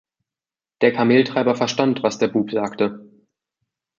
Der Kameltreiber verstand, was der Bub sagte.